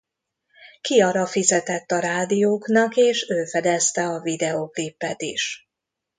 Ciara fizetett a rádióknak és ő fedezte a videóklipet is.